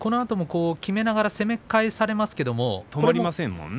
きめながら攻め返されますが止まりませんね。